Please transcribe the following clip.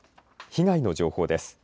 被害の情報です。